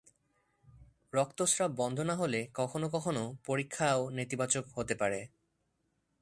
রক্তস্রাব বন্ধ না হলে কখনও কখনও পরীক্ষা নেতিবাচক হতে পারে।